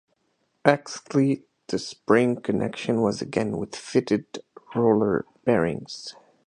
Axle to spring connection was again with fitted roller bearings.